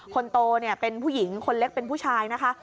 คนโตเนี่ยเป็นผู้หญิงคนเล็กเป็นผู้ชายนะคะ